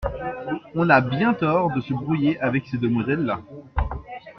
On a bien tort de se brouiller avec ces demoiselles-là…